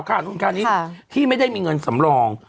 ค่านู้นค่านี้ที่ไม่ได้มีเงินสำรอง